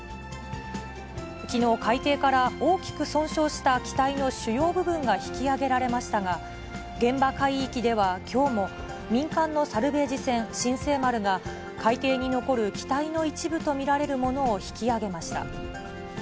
きのう、海底から大きく損傷した機体の主要部分が引き揚げられましたが、現場海域ではきょうも、民間のサルベージ船、新世丸が海底に残る機体の一部と見られるものを引き揚げました。